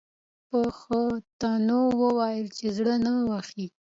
پښتنو وویل چې زړه نه وهي.